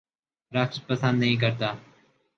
رقص پسند نہیں کرتا